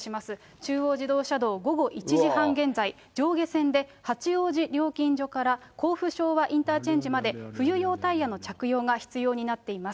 中央自動車道、午後１時半現在、上下線で八王子料金所から甲府昭和インターチェンジまで冬用タイヤの着用が必要になっています。